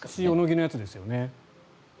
塩野義のやつですよね。